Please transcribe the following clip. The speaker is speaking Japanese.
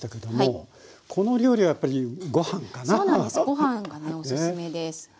ご飯がねおすすめです。